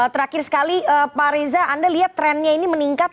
terakhir sekali pak reza anda lihat trennya ini meningkat